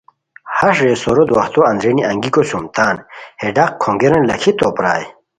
ہݰ رے سورو دواہتو اندرینی انگیکو سوم تان ہے ڈاق کھونگیرین لاکھی تو پرائے